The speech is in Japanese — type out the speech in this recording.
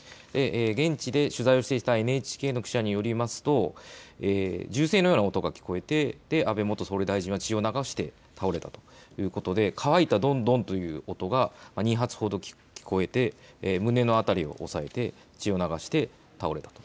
現地で取材をしていたＮＨＫの記者によりますと銃声のような音が聞こえて安倍元総理大臣は血を流して倒れたということで乾いたどんどんという音が２発ほど聞こえて胸の辺りを押さえて血を流して倒れたと。